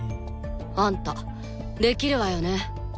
あんたできるわよね？